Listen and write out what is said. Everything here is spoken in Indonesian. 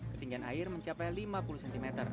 ketinggian air mencapai lima puluh cm